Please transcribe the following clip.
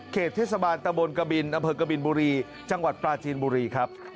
เทศบาลตะบนกะบินอำเภอกบินบุรีจังหวัดปลาจีนบุรีครับ